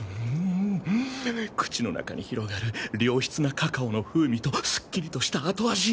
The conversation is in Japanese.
口の中に広がる良質なカカオの風味とすっきりとした後味！